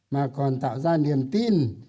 mà còn tạo ra niềm tin